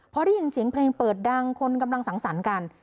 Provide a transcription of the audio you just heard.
พอได้ยินเสียงเพลงเปิดดังคนกำลังสังสรรค์กัน